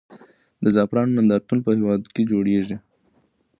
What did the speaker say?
د زعفرانو نندارتونونه په هېواد کې جوړېږي.